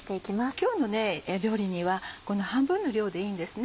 今日の料理にはこの半分の量でいいんですね。